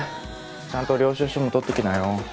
ちゃんと領収書も取っときなよ。